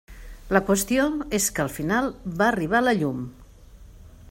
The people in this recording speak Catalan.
La qüestió és que al final va arribar la llum.